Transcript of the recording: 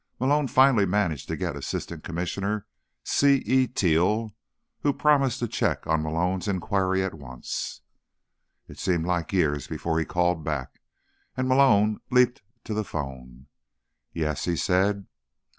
But Malone finally managed to get Assistant Commissioner C. E. Teal, who promised to check on Malone's inquiry at once. It seemed like years before he called back, and Malone leaped to the phone. "Yes?" he said.